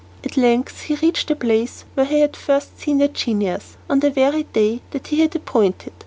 At length he reached the place where he had first seen the genius, on the very day that he had appointed.